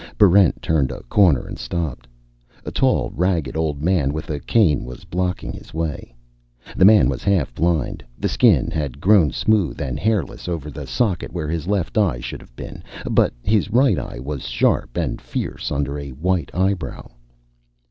Barrent turned a corner and stopped. A tall, ragged old man with a cane was blocking his way. The man was half blind; the skin had grown smooth and hairless over the socket where his left eye should have been. But his right eye was sharp and fierce under a white eyebrow.